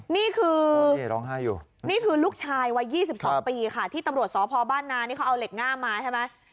นี่คือร้องไห้อยู่นี่คือลูกชายวัย๒๒ปีค่ะที่ตำรวจสพบ้านนานี่เขาเอาเหล็กงามมาใช่ไหม